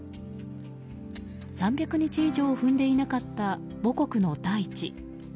３００日以上踏んでいなかった母国の大地。